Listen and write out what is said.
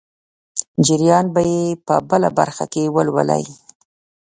جریان به یې په بله برخه کې ولولئ.